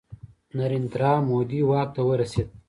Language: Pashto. نریندرا مودي واک ته ورسید.